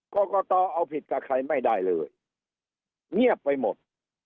กรกตเอาผิดกับใครไม่ได้เลยเงียบไปหมด